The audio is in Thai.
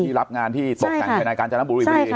ที่รับงานที่ตกแข่งภายในกาญจนบุรี